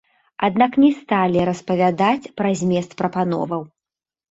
Аднак не сталі распавядаць пра змест прапановаў.